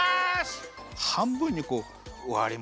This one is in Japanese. はんぶんにこうわりますね。